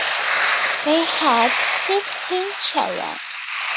They had sixteen children.